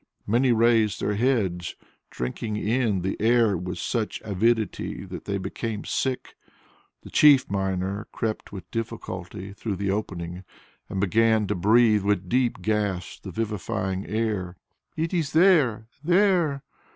Many raised their heads, drinking in the air with such avidity that they became sick. The chief miner crept with difficulty through the opening and began to breathe with deep gasps the vivifying air. "It is there ... there!"